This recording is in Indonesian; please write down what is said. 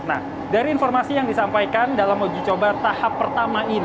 nah dari informasi yang disampaikan dalam uji coba tahap pertama ini